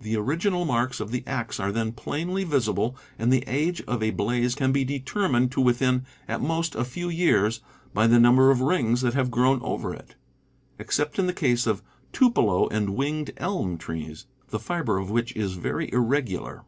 The original marks of the axe are then plainly visible, and the age of a blaze can be deter mined to within, at most, a few years, by the number of rings that have grown over it, except in the case of tupelo and winged elm trees, the fiber of which is very irregular.